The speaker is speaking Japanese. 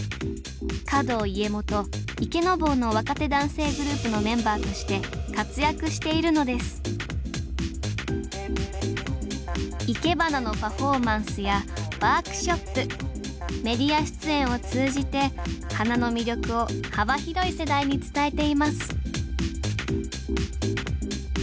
華道家元「池坊」の若手男性グループのメンバーとして活躍しているのですいけばなのパフォーマンスやワークショップメディア出演を通じて花の魅力を幅広い世代に伝えています